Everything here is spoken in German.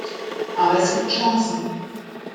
Aber es gibt Chancen.